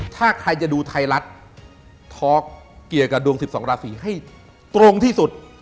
ถ้าใครจะดูไทยรัฐทอล์กเกี่ยวกับดวง๑๒ราศีให้ตรงที่สุด